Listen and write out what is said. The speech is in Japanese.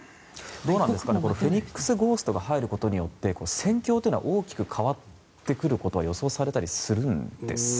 フェニックスゴーストが入ることによって戦況というのは大きく変わってくることは予想されたりするんですか？